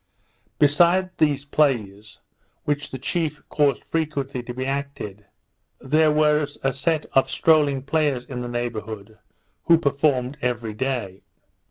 Besides these plays, which the chief caused frequently to be acted, there was a set of strolling players in the neighbourhood, who performed everyday.